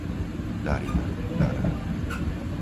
Darina, Dara